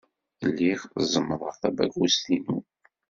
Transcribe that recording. Lliɣ zemmḍeɣ tabagust-inu.